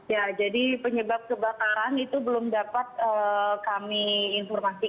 ya jadi penyebab kebakaran itu belum dapat kami informasikan